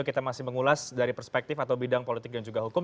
kita masih mengulas dari perspektif atau bidang politik dan juga hukum